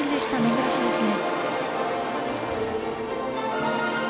珍しいですね。